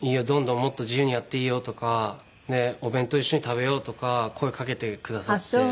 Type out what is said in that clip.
どんどんもっと自由にやっていいよ」とか「お弁当一緒に食べよう」とか声をかけてくださって。